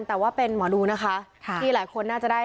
แต่ว่าเป็นหมอดูนะคะที่หลายคนน่าจะได้